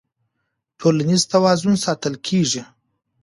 ټولنيز توازن ساتل کيږي.